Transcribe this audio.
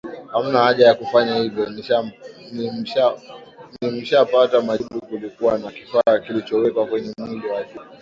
Hamna haja ya kufanya hivyo nimshapata majibu kulikuwa na kifaa kilichowekwa kwenye mwili wake